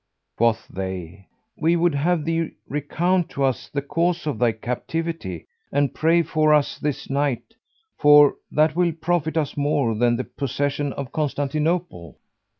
Quoth they, "We would have thee recount to us the cause of thy captivity and pray for us this night, for that will profit us more than the possession of Constantinople."